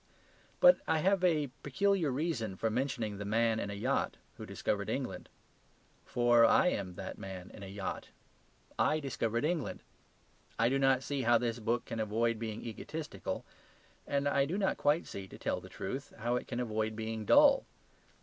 But I have a peculiar reason for mentioning the man in a yacht, who discovered England. For I am that man in a yacht. I discovered England. I do not see how this book can avoid being egotistical; and I do not quite see (to tell the truth) how it can avoid being dull.